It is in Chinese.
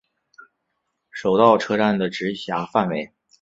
手稻车站的直辖范围。